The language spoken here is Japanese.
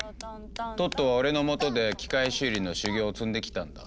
トットは俺の下で機械修理の修業を積んできたんだ。